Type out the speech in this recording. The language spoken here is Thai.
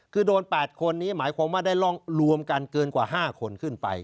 คือโดน๘คนนี้หมายความว่าได้ร่องรวมกันเกินกว่า๕คนขึ้นไป